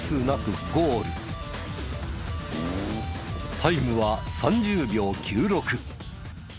タイムは３０秒９６。